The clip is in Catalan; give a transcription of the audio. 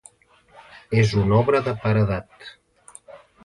És una obra de paredat.